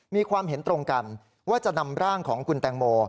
มีความเห็นตรงกันว่าจะนำร่างของคุณแตงโม